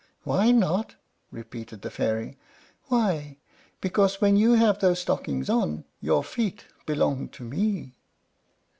"Why not?" repeated the fairy; "why, because when you have those stockings on, your feet belong to me."